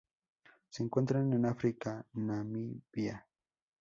Se encuentran en África: Namibia.